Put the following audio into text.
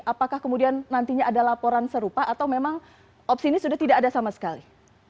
apakah kemudian nantinya ada laporan serupa atau memang opsi ini sudah tidak ada sama sekali